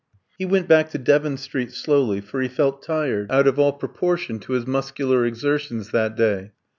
He went back to Devon Street slowly, for he felt tired, out of all proportion to his muscular exertions that day.